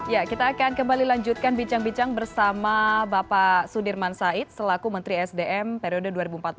ya kita akan kembali lanjutkan bincang bincang bersama bapak sudirman said selaku menteri sdm periode dua ribu empat belas dua ribu